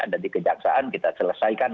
ada di kejaksaan kita selesaikan